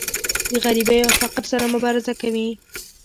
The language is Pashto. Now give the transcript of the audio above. د غریبۍ او فقر سره مبارزه کوي.